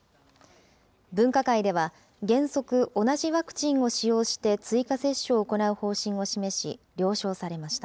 分科会では、原則、同じワクチンを使用して追加接種を行う方針を示し、了承されました。